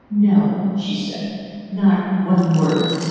"No!" she said. "Not one word!